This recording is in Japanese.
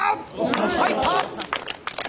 入った！